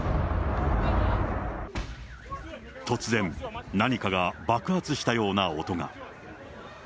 突然、何かが爆発したような音が。